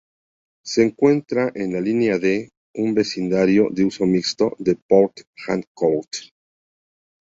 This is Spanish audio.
Se encuentra en la línea D, un vecindario de uso mixto de Port Harcourt.